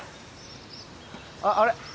あっあれ？